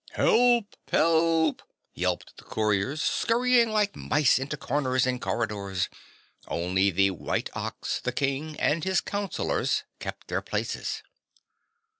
"Help! Help!" yelped the Courtiers, scurrying like mice into corners and corridors. Only the white Ox, the King and his Counselors kept their places.